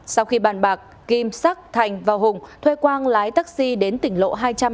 sau khi bàn bạc kim sắc thành vào hùng thuê quang lái taxi đến tỉnh lộ hai trăm chín mươi năm